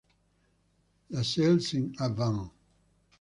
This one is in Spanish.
La Celle-Saint-Avant